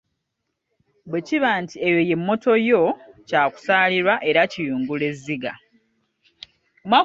Bwe kiba nti eyo ye “mmoto” yo kyakusaalirwa era kiyungula ezziga!